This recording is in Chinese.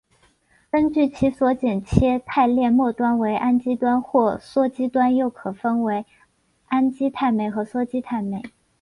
根据其所剪切肽链末端为氨基端或羧基端又可分为氨基肽酶和羧基肽酶。